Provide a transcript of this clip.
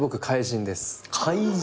怪人。